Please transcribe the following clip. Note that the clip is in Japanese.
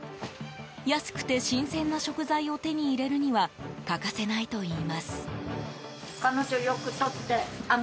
安くて新鮮な食材を手に入れるには欠かせないといいます。